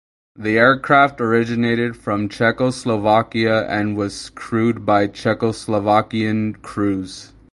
The aircraft originated from Czechoslovakia and was crewed by Czechoslovakian crews.